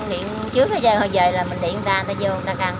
điện trước giờ là mình điện người ta người ta vô người ta căng